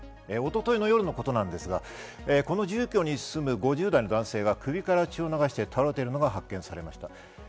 一昨日の夜のことなんですが、この住居に住む５０代の男性が首から血を流して倒れているのが発見されました。